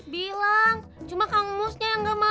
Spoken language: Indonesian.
bilang cuma kang musnya yang enggak mau